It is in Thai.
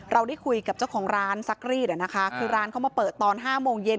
เราได้คุยกับเจ้าของร้านซักรีดอะนะคะคือร้านเขามาเปิดตอน๕โมงเย็น